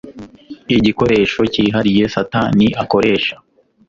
igikoresho cyihariye satani akoresha